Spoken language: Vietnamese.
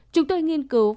chúng tôi nghiên cứu